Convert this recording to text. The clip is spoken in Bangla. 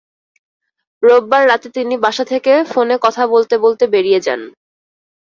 রোববার রাতে তিনি বাসা থেকে ফোনে কথা বলতে বলতে বেরিয়ে যান।